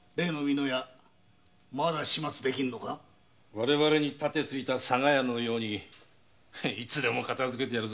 我々に盾ついた佐賀屋のようにいつでも片づけてやるぞ！